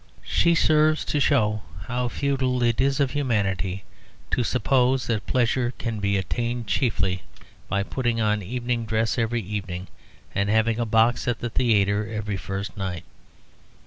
She serves to show how futile it is of humanity to suppose that pleasure can be attained chiefly by putting on evening dress every evening, and having a box at the theatre every first night.